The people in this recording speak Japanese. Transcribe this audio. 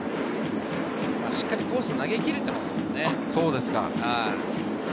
しっかりコースに投げきれていますよね。